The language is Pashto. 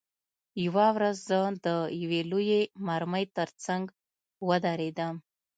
یوه ورځ زه د یوې لویې مرمۍ ترڅنګ ودرېدم